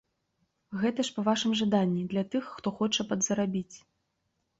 Гэта ж па вашым жаданні, для тых, хто хоча падзарабіць.